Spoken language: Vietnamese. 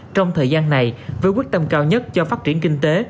trong thời gian này với quyết tâm cao nhất cho phát triển kinh tế